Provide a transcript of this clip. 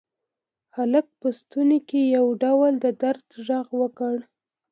هلک په ستوني کې یو ډول د درد غږ وکړ.